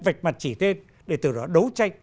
vạch mặt chỉ tên để từ đó đấu tranh